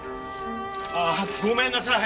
ああごめんなさい。